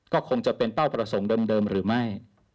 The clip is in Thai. ก็คงจะเป็นเป้าประสงค์เดิมหรือไม่